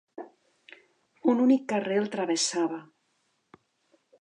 Un únic carrer el travessava.